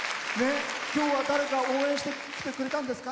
きょうは、誰か応援してきてくれたんですか？